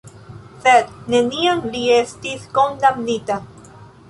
Sed neniam li estis kondamnita.